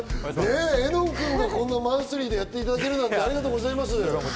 絵音君がマンスリーをやっていただけるなんて、ありがとうございます。